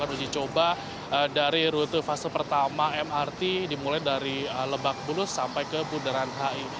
dan juga akan di coba dari rute fase pertama mrt dimulai dari lebak bulus sampai ke bundaran hi